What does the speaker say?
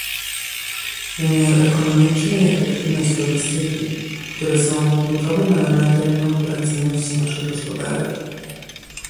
wymiar ekonomiczny i efektywność logistyki, które są kluczowym elementem konkurencyjności naszych gospodarek